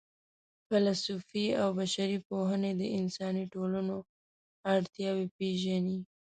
فېلسوفي او بشري پوهنې د انساني ټولنو اړتیاوې پېژني.